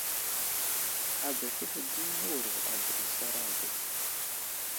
Abekehe di newuro a bəra isaray ge .